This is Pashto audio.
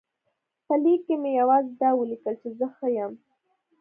په لیک کې مې یوازې دا ولیکل چې زه ښه یم.